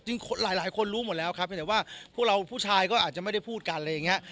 หลายคนรู้หมดแล้วครับแต่ว่าพวกเราผู้ชายก็อาจจะไม่ได้พูดกันอะไรอย่างนี้